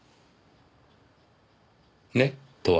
「ね！」とは？